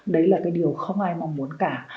đấy là cái điều không ai mong muốn cả